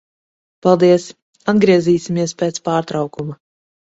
Paldies. Atgriezīsimies pēc pārtraukuma.